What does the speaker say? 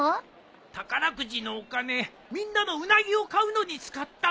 宝くじのお金みんなのウナギを買うのに使ったのか。